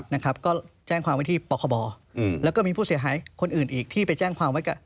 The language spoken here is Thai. นะครับก็แจ้งความไว้ที่ปกครบแล้วมีผู้เสียหายคนอื่นอีก